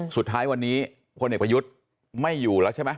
สุดท้ายวันนี้พลเอกประยุทธ์ไม่อยู่แล้วใช่ไหม